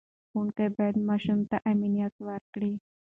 ښوونکي باید ماشوم ته امنیت ورکړي.